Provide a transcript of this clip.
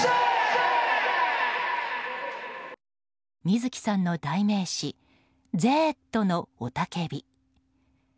水木さんの代名詞ゼーット！の雄たけび。